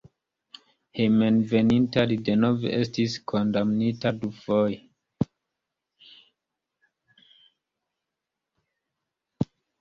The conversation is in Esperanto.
Hejmenveninta li denove estis kondamnita dufoje.